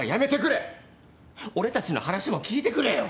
俺たちの話も聞いてくれよ！